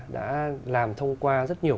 đã làm thông qua rất nhiều